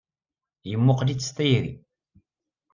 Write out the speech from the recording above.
Yemmuqqel-itt s tayri.